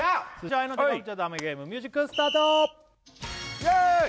合いの手かぶっちゃダメゲームミュージックスタートイエイ！